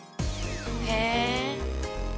へえ。